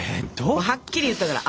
もうはっきり言ったから。